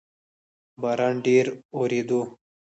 باران ډیر اوورېدو